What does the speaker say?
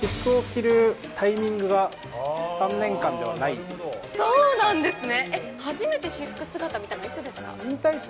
私服を着るタイミングが、３年間そうなんですね。